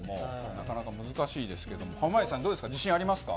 なかなか難しいですけども濱家さん、自信はありますか？